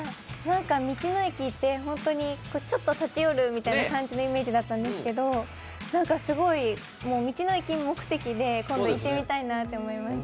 道の駅って本当にちょっと立ち寄るみたいな感じのイメージだったんですけど、すごい、道の駅目的で今度、行ってみたいなと思いました。